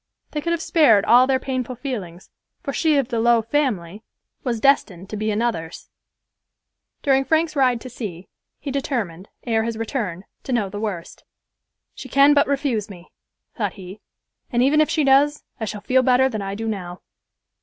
They could have spared all their painful feelings, for she of the "low family" was destined to be another's. During Frank's ride to C—— he determined, ere his return, to know the worst. "She can but refuse me," thought he, "and even if she does, I shall feel better than I do now."